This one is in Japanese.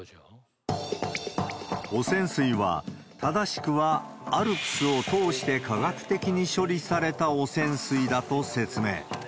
汚染水は、正しくはＡＬＰＳを通して科学的に処理された汚染水だと説明。